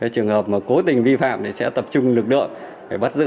trường hợp cố tình vi phạm sẽ tập trung lực lượng bắt giữ